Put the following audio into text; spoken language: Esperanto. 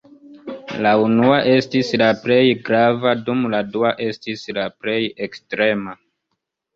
La unua estis la plej grava dum la dua estis la plej ekstrema.